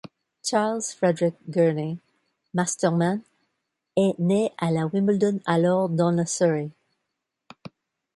Charles Frederick Gurney Masterman est né le à Wimbledon, alors dans le Surrey.